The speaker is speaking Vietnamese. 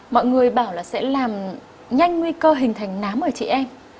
mọi người bảo là sẽ làm nhanh nguy cơ hình thành nám ở chị em